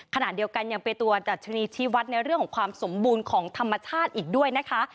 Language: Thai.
ขณะเดียวกันยังไปตรวจดัชนีชีวัตรในเรื่องของความสมบูรณ์ของธรรมชาติอีกด้วยนะคะ